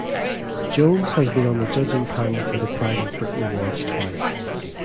Jones has been on the judging panel for the Pride of Britain awards twice.